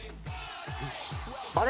あれ？